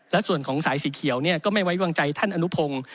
และส่วนของสายสีเขียวก็ไม่ไว้วางใจท่านอนุพงศ์